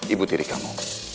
ibu diri kamu